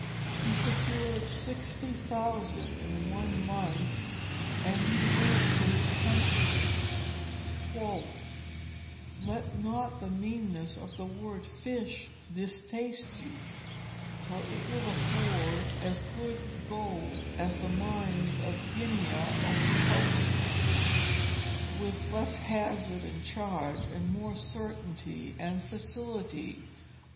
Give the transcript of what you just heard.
He secured sixty thousand in one month; and he wrote to his countrymen, "Let not the meanness of the word fish distaste you, for it will afford as good gold as the mines of Guiana or Potosi, with less hazard and charge, and more certainty and facility."